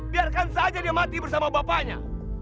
biarkan saja dia mati bersama bapaknya